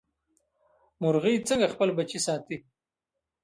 مورغۍ څنګه خپل بچي ساتي؟